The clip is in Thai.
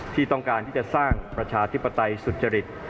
ที่ต้องการที่จะสร้างประชาธิปไตยสุจริต